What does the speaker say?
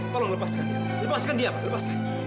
tolong lepaskan dia lepaskan dia pak lepaskan